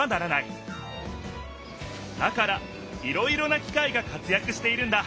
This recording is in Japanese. だからいろいろな機械が活やくしているんだ。